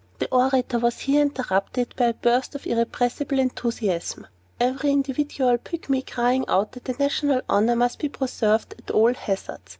The orator was here interrupted by a burst of irrepressible enthusiasm; every individual Pygmy crying out that the national honor must be preserved at all hazards.